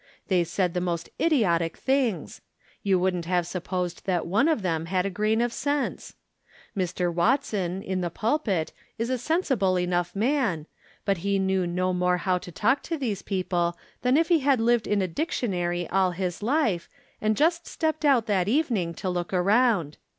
They said the most idiotic things ! You wouldn't have supposed that one of them had a grain of sense. Mr. Watson, in the pul pit, is a sensible enough man, but he knew no more how to talk to these people than if he had lived in a dictionary all liis life, and just stepped out that evening to look around.